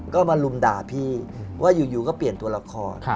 ก็มาลุมด่าพี่ว่าอยู่ก็เปลี่ยนตัวละคร